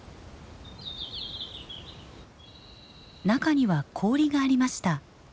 中には氷がありました。